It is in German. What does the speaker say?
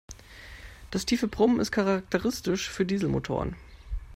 Das tiefe Brummen ist charakteristisch für Dieselmotoren.